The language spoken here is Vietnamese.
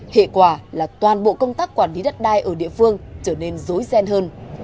hệ quả là toàn bộ công tác quản lý đất đai ở địa phương trở nên dối ghen hơn